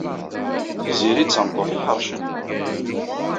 Tiziri d tameṭṭut iḥercen.